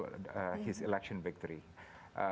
cara dia menghandle kemenangan pemenangnya